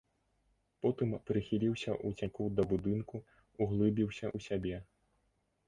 Потым прыхіліўся ў цяньку да будынку, углыбіўся ў сябе.